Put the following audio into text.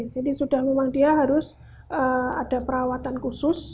jadi sudah memang dia harus ada perawatan khusus